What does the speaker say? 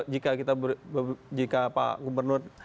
jika pak gubernur